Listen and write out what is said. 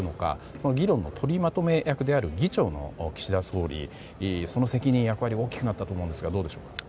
その議論の取りまとめ役である議長の岸田総理はその責任、役割が大きくなったと思うんですが。